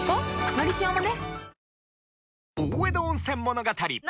「のりしお」もね